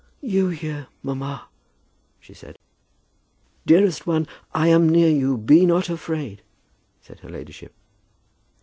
"You here, mamma!" she said. "Dearest one, I am near you. Be not afraid," said her ladyship.